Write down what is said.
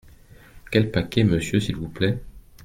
Quels paquets, monsieur, s’il vous plaît ?